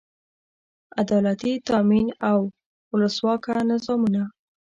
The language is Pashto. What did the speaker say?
عدالتي تامین او اولسواکه نظامونه.